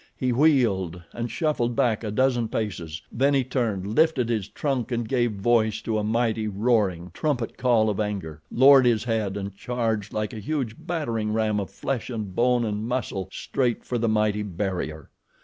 He wheeled and shuffled back a dozen paces, then he turned, lifted his trunk and gave voice to a mighty roaring, trumpet call of anger, lowered his head and charged like a huge battering ram of flesh and bone and muscle straight for the mighty barrier.